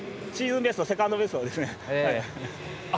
シーズンベスト、セカンドベストですね。